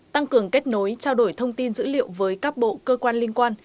tăng cường kết nối trao đổi thông tin dữ liệu với các bộ cơ quan liên quan